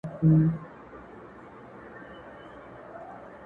ستا په پروا يم او له ځانه بې پروا يمه زه.